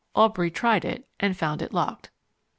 Aubrey tried it, and found it locked.